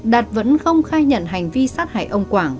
đạt vẫn không khai nhận hành vi sát hại ông quảng